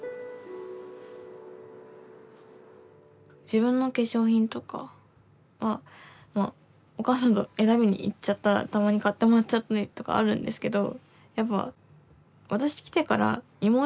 自分の化粧品とかはお母さんと選びに行っちゃったらたまに買ってもらっちゃったりとかあるんですけど。